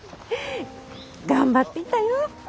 頑張っていたよ！